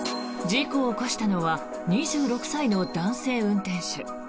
事故を起こしたのは２６歳の男性運転手。